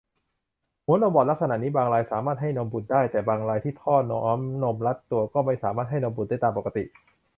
หัวนมบอดลักษณะนี้บางรายสามารถให้นมบุตรได้ แต่บางรายที่ท่อน้ำนมรัดตัวก็ไม่สามารถให้นมบุตรได้ตามปกติ